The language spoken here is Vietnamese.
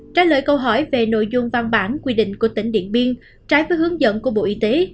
trả lời câu hỏi về nội dung văn bản quy định của tỉnh điện biên trái với hướng dẫn của bộ y tế